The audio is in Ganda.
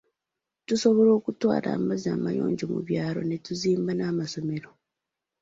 Tusobola okutwala amazzi amayonjo mu byalo ne tuzimba n’amasomero.